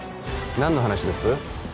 何の話です？